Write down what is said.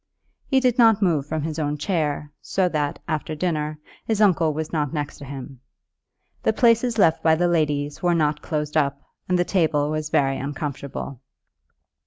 He did not move from his own chair, so that, after dinner, his uncle was not next to him. The places left by the ladies were not closed up, and the table was very uncomfortable.